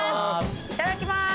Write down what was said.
いただきます。